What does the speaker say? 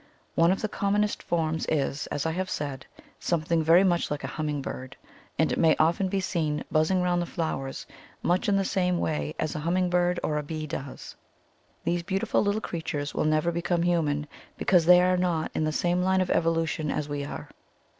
One of the commonest forms is, as I have said, something very much like a humming bird, and it may often be seen buzzing round the flowers much in the same way as a humming bird or a bee does. These beautiful little creatures will never become human, because they are not in the same line of evolution as we are.